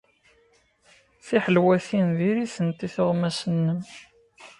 Tiḥelwatin diri-tent i tuɣmas-nnem.